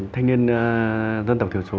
thanh niên dân tộc thiểu số